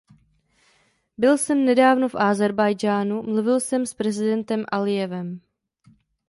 Byl jsem nedávno v Ázerbájdžánu, mluvil jsem s prezidentem Alijevem.